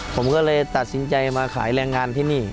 ผมก็เลยตัดสินใจมาขายแรงงานที่นี่